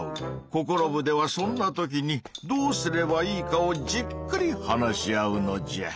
「ココロ部！」ではそんな時にどうすればいいかをじっくり話し合うのじゃ。